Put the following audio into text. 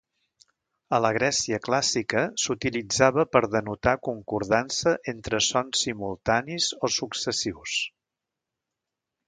A la Grècia clàssica s'utilitzava per denotar concordança entre sons simultanis o successius.